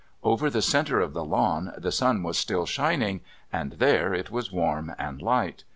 Over the centre of the lawn the sun was still shining, and there it was warm and light.